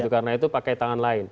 karena itu pakai tangan lain